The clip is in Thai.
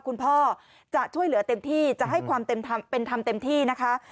คุณพ่อจะช่วยเหลือเต็มที่จะให้ความเป็นธรรมเต็มที่นะคะ